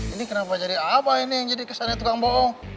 ini kenapa jadi apa ini yang jadi kesannya tukang bohong